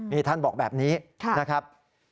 นี่ท่านบอกแบบนี้นะครับ